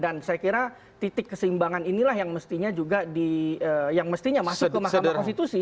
dan saya kira titik keseimbangan inilah yang mestinya juga di yang mestinya masuk ke mahkamah konstitusi